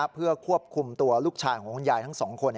เพื่อควบคุมตัวลูกชายของคุณยายทั้งสองคน